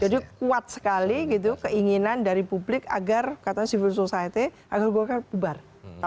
jadi kuat sekali keinginan dari publik agar civil society agar golkar bubar